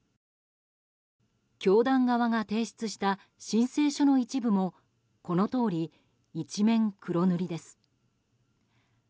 教団側が提出した申請書の一部もこのとおり、一面黒塗りです。